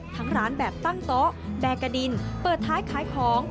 ทั้งร้านแบบตั้งโต๊ะแบกะดินเปิดท้ายขายของ